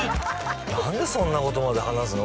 何でそんなことまで話すの？